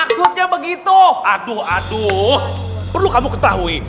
kamu ketahui maksudnya begitu aduh aduh perlu kamu ketahui maksudnya begitu aduh aduh perlu kamu ketahui